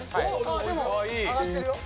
あっでも上がってるよ。